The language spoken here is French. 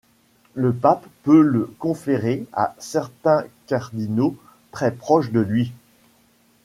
Le pape peut le conférer à certains cardinaux très proches de lui.